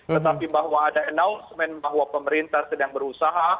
tetapi bahwa ada announcement bahwa pemerintah sedang berusaha